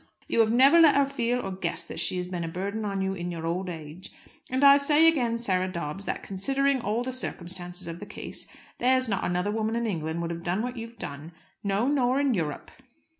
You have never let her feel or guess that she has been a burthen on you in your old age. And I say again, Sarah Dobbs, that, considering all the circumstances of the case, there's not another woman in England would have done what you've done. No, nor in Europe!"